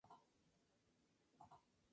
Durante el funeral, la Sra.